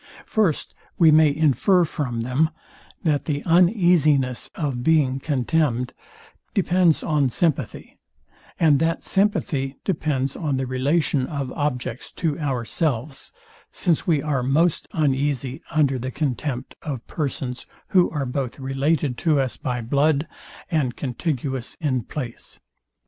First, We may infer from them, that the uneasiness of being contemned depends on sympathy, and that sympathy depends on the relation of objects to ourselves; since we are most uneasy under the contempt of persons, who are both related to us by blood, and contiguous in place.